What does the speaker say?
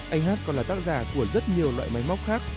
anh hát còn là tác giả của rất nhiều loại máy móc khác